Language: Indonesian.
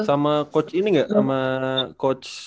sama coach ini nggak sama coach